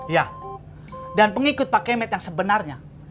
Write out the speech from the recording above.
ya dan pengikut pak kemet yang sebenarnya